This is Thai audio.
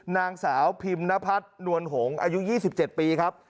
นางสาวพิมพ์นพัฒน์นวลโหงอายุยี่สิบเจ็ดปีครับ